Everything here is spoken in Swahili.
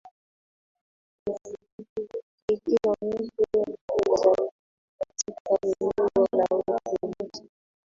Mturuki kila mtu aliyezaliwa katika eneo la Uturuki